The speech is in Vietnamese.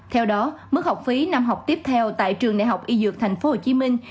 theo đó mức học phí năm học tiếp theo tại trường đại học y dược thành phố hồ chí minh